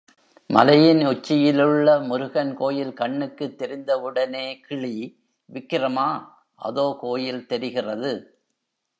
மலையின் உச்சியிலுள்ள முருகன் கோயில் கண்ணுக்குத் தெரிந்தவுடனே கிளி, விக்கிரமா, அதோ கோயில் தெரிகிறது.